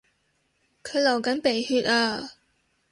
佢流緊鼻血呀